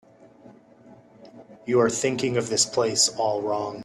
You're thinking of this place all wrong.